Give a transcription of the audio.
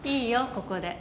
ここで。